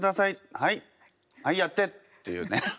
はいやって」っていうね